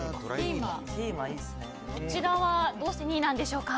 こちらはどうして２位なんでしょうか。